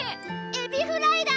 エビフライだ！